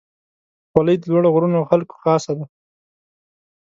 خولۍ د لوړو غرونو خلکو خاصه ده.